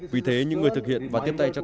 vì thế những người thực hiện và tiếp tay cho